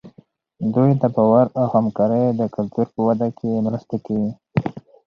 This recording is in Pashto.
دوی د باور او همکارۍ د کلتور په وده کې مرسته کوي.